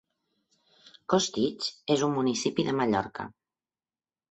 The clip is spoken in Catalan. Costitx és un municipi de Mallorca.